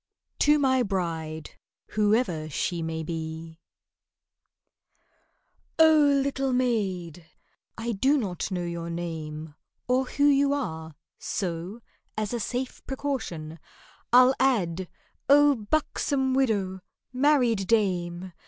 TO MY BRIDE (WHOEVER SHE MAY BE) OH! little maid!—(I do not know your name Or who you are, so, as a safe precaution I'll add)—Oh, buxom widow! married dame!